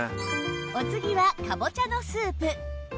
お次はかぼちゃのスープ